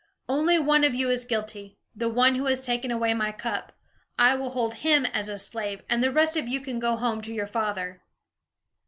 "Only one of you is guilty; the one who has taken away my cup. I will hold him as a slave, and the rest of you can go home to your father."